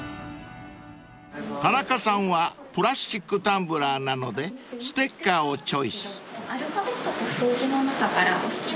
［田中さんはプラスチックタンブラーなのでステッカーをチョイス］